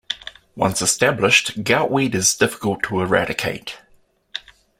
Once established, goutweed is difficult to eradicate.